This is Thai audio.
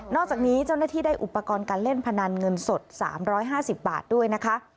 อกจากนี้เจ้าหน้าที่ได้อุปกรณ์การเล่นพนันเงินสด๓๕๐บาทด้วยนะคะ